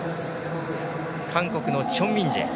韓国のチョン・ミンジェ。